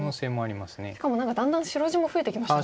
しかも何かだんだん白地も増えてきましたね。